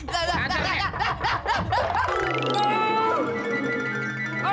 jalan jalan jalan